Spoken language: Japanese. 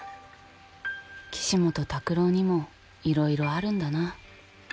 岸本拓朗にもいろいろあるんだな。